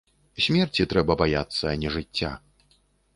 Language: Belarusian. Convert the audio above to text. Смерці трэба баяцца, а не жыцця.